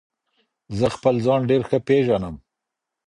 زه خپل ځان ډیر ښه پیژنم.